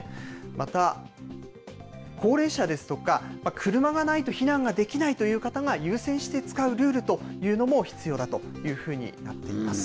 また、高齢者ですとか、車がないと避難ができないという方が優先して使うルールというのも必要だというふうになっています。